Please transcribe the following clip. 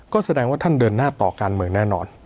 ก็แสดงว่าท่านเดินหน้าต่อการเมืองแน่นอน